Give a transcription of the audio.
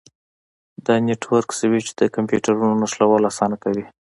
د نیټورک سویچ د کمپیوټرونو نښلول اسانه کوي.